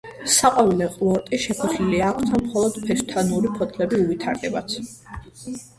საყვავილე ყლორტი შეფოთლილი აქვთ ან მხოლოდ ფესვთანური ფოთლები უვითარდებათ.